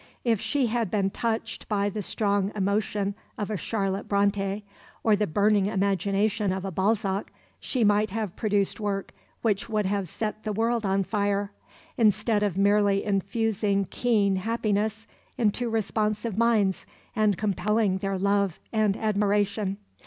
If she had been touched by the strong emotion of a Charlotte Brontë, or the burning imagination of a Balzac, she might have produced work which would have set the world on fire, instead of merely infusing keen happiness into responsive minds and compelling their love and admiration.